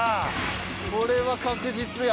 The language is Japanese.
これは確実や。